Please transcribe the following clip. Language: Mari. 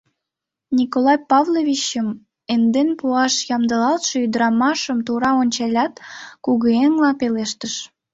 Николай Павловичым эҥден пуаш ямдылалтше ӱдырамашым тура ончалят, кугыеҥла пелештыш: